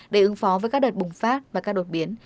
để ứng phó với các đợt bùng phát và các đột biến